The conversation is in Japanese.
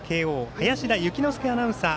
林田幸之介アナウンサー